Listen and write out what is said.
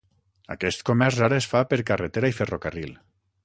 Aquest comerç ara es fa per carretera i ferrocarril.